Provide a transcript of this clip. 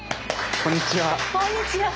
こんにちは。